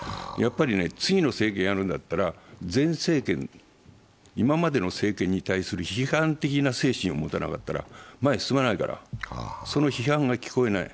次の政権をやるんだったら、前政権今までの政権に対する批判的な精神を持たなかったら前に進まないから、その批判が聞こえない。